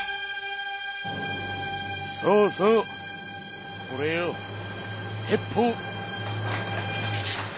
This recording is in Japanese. そうそうこれよ鉄砲。